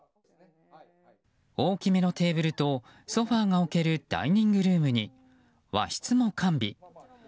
大きめのテーブルとソファが置けるダイニングルームに、和室も完備。